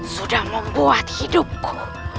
sudah membuat hidupku